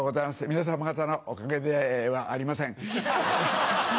皆様方のおかげではありません。